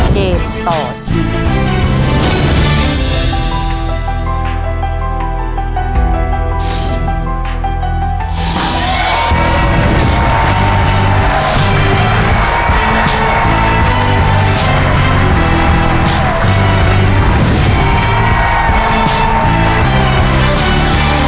เกมต่อชีวิต